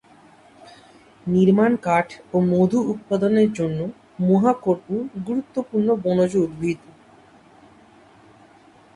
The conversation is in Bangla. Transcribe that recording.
নির্মাণ কাঠ ও মধু উৎপাদনের জন্য মহা কর্পূর গুরুত্বপূর্ণ বনজ উদ্ভিদ।